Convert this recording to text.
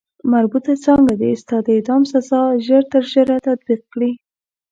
مربوطه څانګه دې ستا د اعدام سزا ژر تر ژره تطبیق کړي.